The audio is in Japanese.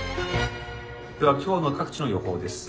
「では今日の各地の予報です。